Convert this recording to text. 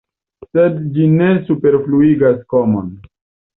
Sed ĝi ne superfluigas komon.